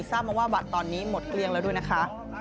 ทราบมาว่าบัตรตอนนี้หมดเกลี้ยงแล้วด้วยนะคะ